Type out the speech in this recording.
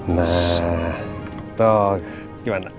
nah tuh gimana